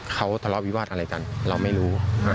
เขาทะเลาะวิวาสอะไรกันเราไม่รู้